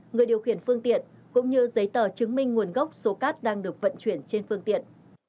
người điều khiển phương tiện cũng như giấy tờ chứng minh nguồn gốc số cát đang được vận chuyển trên phương tiện